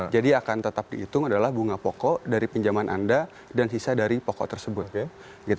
jadi akan tetap dihitung adalah bunga pokok dari pinjaman anda dan sisa dari pokok tersebut